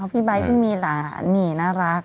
พี่ไบท์ก็มีหลานนี่น่ารัก